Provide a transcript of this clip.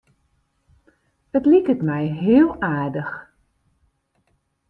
It liket my heel aardich.